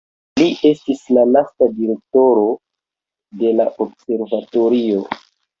Li estis la lasta direktoro de la observatorio.